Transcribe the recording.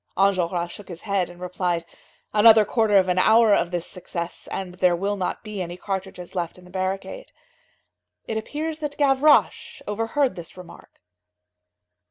Enjolras shook his head and replied: "Another quarter of an hour of this success, and there will not be any cartridges left in the barricade." It appears that Gavroche overheard this remark.